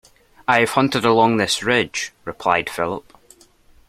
I have hunted along this ridge, replied Philip.